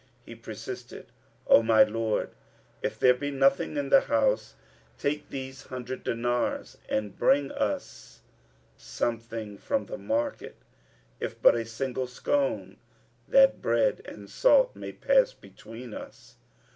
He persisted, "O my lord, if there be nothing in the house, take these hundred dinars and bring us something from the market, if but a single scone, that bread and salt may pass between us."